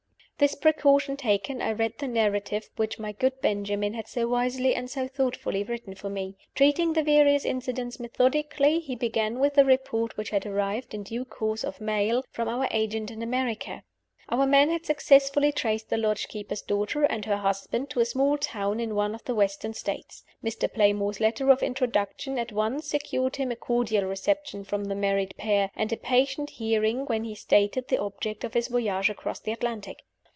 This precaution taken, I read the narrative which my good Benjamin had so wisely and so thoughtfully written for me. Treating the various incidents methodically, he began with the Report which had arrived, in due course of mail, from our agent in America. Our man had successfully traced the lodgekeeper's daughter and her husband to a small town in one of the Western States. Mr. Playmore's letter of introduction at once secured him a cordial reception from the married pair, and a patient hearing when he stated the object of his voyage across the Atlantic.